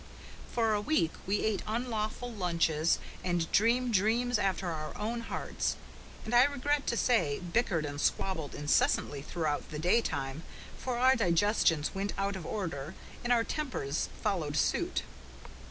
For a week we ate unlawful lunches and dreamed dreams after our own hearts and, I regret to say, bickered and squabbled incessantly throughout the daytime, for our digestions went out of order and our tempers followed suit.